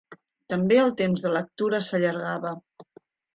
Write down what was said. També el temps de lectura s'allargava.